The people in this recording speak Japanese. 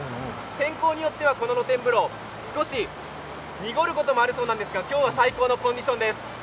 天候によってはこの露天風呂、少し濁ることもあるそうなんですが今日は最高のコンディションです。